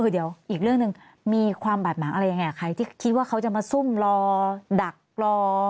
เดียวอีกเรื่องหนึ่งมีความบาดหมาใครที่คิดว่าเขาจะมาซุ่มรอดักรอ